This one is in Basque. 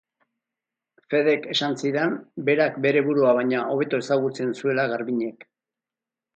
Fedek esan zidan berak bere burua baino hobeto ezagutzen zuela Garbiñek.